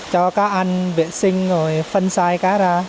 cho cá ăn vệ sinh rồi phân sai cá ra